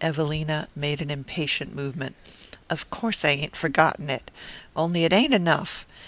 Evelina made an impatient movement. "Of course I ain't forgotten it. On'y it ain't enough.